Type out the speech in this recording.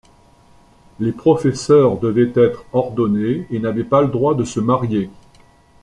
Les professeurs devaient être ordonnés et n'avaient pas le droit de se marier.